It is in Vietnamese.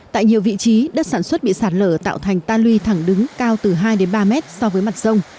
tại nhiều vị trí đất sản xuất bị sạt lở tạo thành tan luy thẳng đứng cao từ hai đến ba mét so với mặt sông